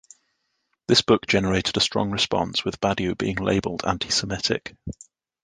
This book generated a strong response with Badiou being labelled Anti-Semitic.